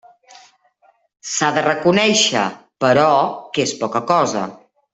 S'ha de reconéixer, però, que és poca cosa.